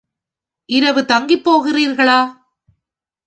இரவு தங்கிப் போகிறீர்களா?